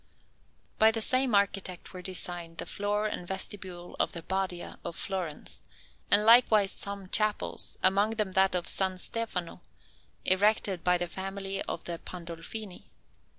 By the same architect were designed the door and vestibule of the Badia of Florence, and likewise some chapels, among them that of S. Stefano, erected by the family of the Pandolfini.